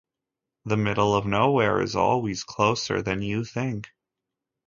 The middle of nowhere is always closer than you think.